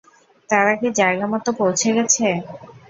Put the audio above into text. তারা কী জায়গামত পৌঁছে গেছে?